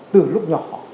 từ lúc nhỏ